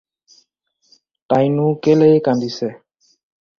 তাইনো কেলেই কান্দিছে?